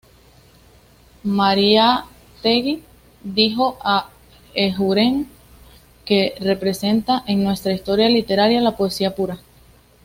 Mariátegui dijo de Eguren que "representa en nuestra historia literaria la poesía pura".